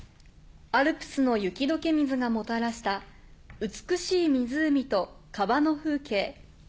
アルプスの雪解け水がもたらした美しい湖と川の風景。